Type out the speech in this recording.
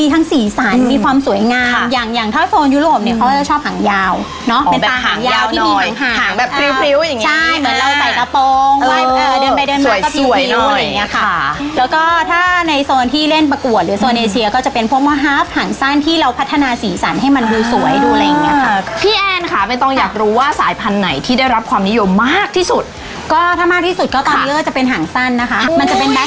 ต้องปรบเงินพี่สะอาดก็หน่อยครับ